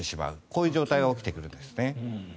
こういう状態が起きてくるんですね。